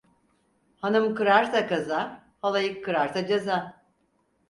Hanım kırarsa kaza, halayık kırarsa ceza.